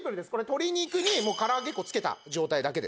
鶏肉に唐揚げ粉つけた状態だけです。